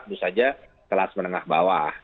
tentu saja kelas menengah bawah